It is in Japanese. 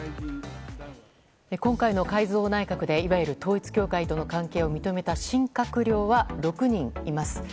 今回の改造内閣でいわゆる統一教会との関係を認めた新閣僚は６人います。